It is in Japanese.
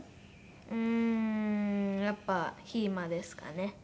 うーんやっぱりひーまですかね。